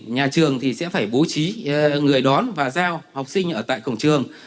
nhà trường sẽ phải bố trí người đón và giao học sinh ở tại cổng trường